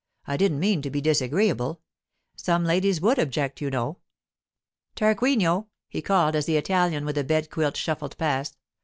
'I didn't mean to be disagreeable. Some ladies would object, you know. Tarquinio,' he called as the Italian with the bed quilt shuffled past.